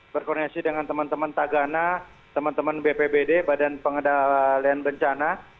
berkoordinasi dengan teman teman tagana teman teman bpbd badan pengendalian bencana